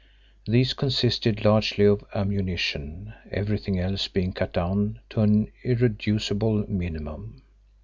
These consisted largely of ammunition, everything else being cut down to an irreducible minimum.